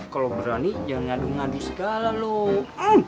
kalau berani ya ngadu ngadu segala loh